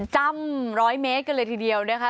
จ้ำร้อยเมตรกันเลยทีเดียวนะคะ